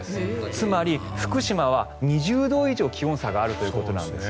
つまり、福島は２０度以上気温差があるということです。